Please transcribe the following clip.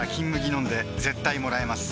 飲んで絶対もらえます